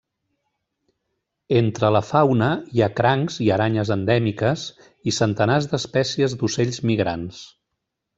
Entre la fauna hi ha crancs i aranyes endèmiques i centenars d’espècies d’ocells migrants.